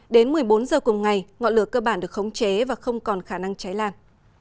đến một mươi bốn giờ cùng ngày ngọn lửa cơ bản được khống chế và không còn khả năng cháy lan